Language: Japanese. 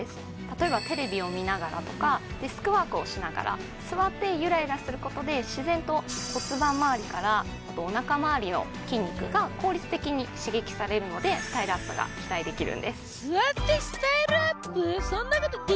例えばテレビを見ながらとかデスクワークをしながら座ってゆらゆらすることで自然と骨盤回りからおなか回りの筋肉が効率的に刺激されるのでスタイルアップが期待できるんです